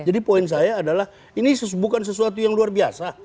jadi poin saya adalah ini bukan sesuatu yang luar biasa